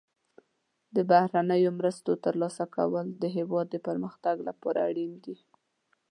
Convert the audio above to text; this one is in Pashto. د بهرنیو مرستو ترلاسه کول د هیواد د پرمختګ لپاره اړین دي.